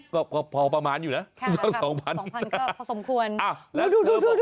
ก็พอประมาณอยู่นะ๒๐๐๐ก็พอสมควรนะครับค่ะทุบุ๊กทุบุ๊กปึ๊งอะ